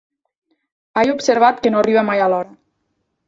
He observat que no arriba mai a l'hora.